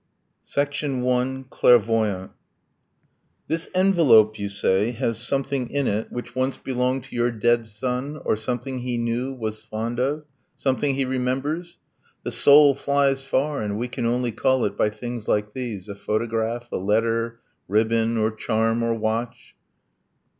I. CLAIRVOYANT 'This envelope you say has something in it Which once belonged to your dead son or something He knew, was fond of? Something he remembers? The soul flies far, and we can only call it By things like these ... a photograph, a letter, Ribbon, or charm, or watch